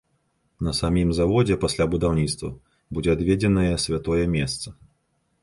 На самім заводзе пасля будаўніцтва будзе адведзенае святое месца.